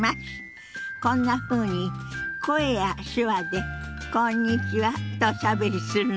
こんなふうに声や手話で「こんにちは」とおしゃべりするの。